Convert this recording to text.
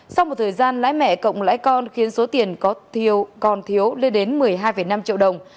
sau một thời gian lãi mẹ cộng lãi con khiến số tiền con thiếu lên đến một mươi hai năm triệu đồng